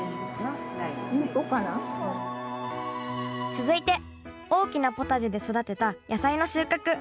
続いて大きなポタジェで育てた野菜の収穫。